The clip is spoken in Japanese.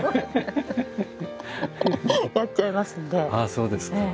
そうですか。